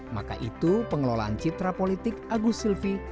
maka itu pengelolaan citra politik agus silvi